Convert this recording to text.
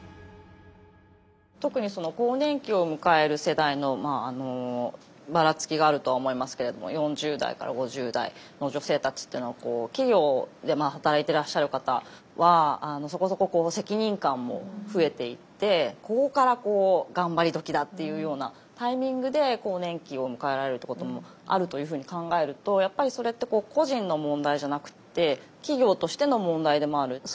特に更年期を迎える世代のばらつきがあるとは思いますけれども４０代から５０代の女性たちっていうのは企業で働いてらっしゃる方はそこそこ責任感も増えていってここからこう頑張りどきだっていうようなタイミングで更年期を迎えられるってこともあるというふうに考えるとやっぱりそれって個人の問題じゃなくって企業としての問題でもある。